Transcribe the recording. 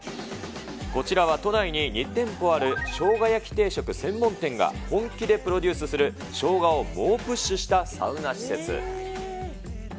こちらは都内に２店舗あるしょうが焼き定食専門店が本気でプロデュースする、しょうがを猛プッシュしたサウナ施設。